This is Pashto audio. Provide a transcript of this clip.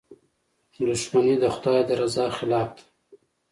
• دښمني د خدای د رضا خلاف ده.